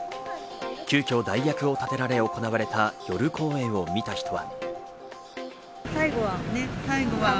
急きょ代役を立てられ行われた夜公演を見た人は。